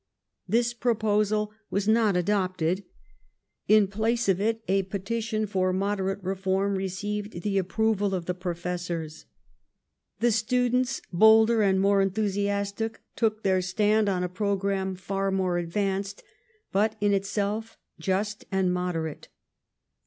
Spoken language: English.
This proposal was nut adopted. In place of it, a petition for moderate reform received the aj)proval of the Pi ofessors. The students, bolder and more enthusiastic, took their stand on a pro gramme far more advanced, but in itself just and moderate.